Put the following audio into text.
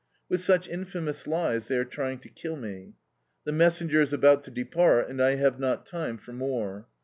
With such infamous lies they are trying to kill me. The messenger is about to depart and I have not time for more.